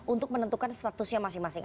untuk menentukan statusnya masing masing